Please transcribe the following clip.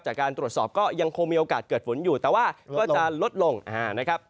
จากการตรวจสอบก็ยังคงมีโอกาสเกิดฝนอยู่แต่ว่าก็จะลดลงนะครับ